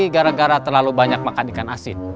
gara gara terlalu banyak makan ikan asin